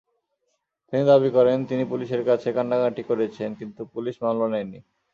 তিনি দাবি করেন, তিনি পুলিশের কাছে কান্নাকাটি করেছেন, কিন্তু পুলিশ মামলা নেয়নি।